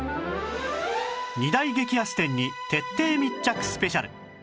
二大激安店に徹底密着スペシャル